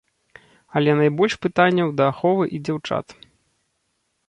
Але найбольш пытанняў да аховы і дзяўчат.